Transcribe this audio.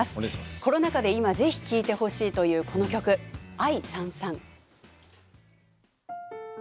コロナ禍で今ぜひ聴いてほしいというこの曲「愛燦燦」。